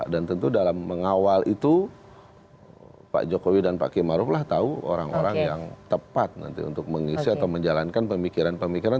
tentu dalam mengawal itu pak jokowi dan pak k maruf lah tahu orang orang yang tepat nanti untuk mengisi atau menjalankan pemikiran pemikiran